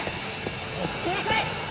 落ち着きなさい！